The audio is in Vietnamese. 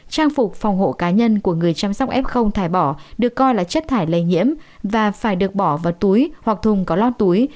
trang phục phòng hộ cá nhân của người chăm sóc f thải bỏ được coi là chất thải lây nhiễm và phải được bỏ vào túi hoặc thùng có lo túi